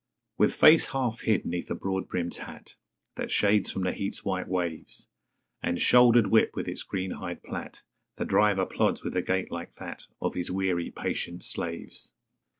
With face half hid 'neath a broad brimmed hat That shades from the heat's white waves, And shouldered whip with its green hide plait, The driver plods with a gait like that Of his weary, patient slaves.